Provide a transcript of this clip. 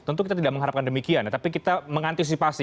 tentu kita tidak mengharapkan demikian tapi kita mengantisipasi